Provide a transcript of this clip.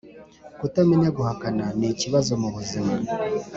kutamenya guhakana ni ikbazo mu buzima